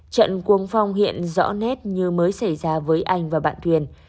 trận cuồng phong hiện rõ nét như mới xảy ra với anh và bạn thuyền